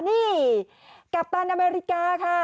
นี่กัปตันอเมริกาค่ะ